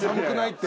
って。